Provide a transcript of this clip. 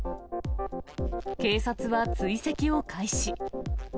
警察は追跡を開始。